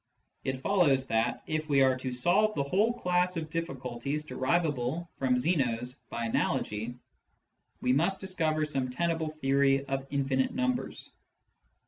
It follows that, if we are to solve the whole class of difficulties derivable from Zeno's by analogy, we must discover sorhe tenable theory of infinite numbers.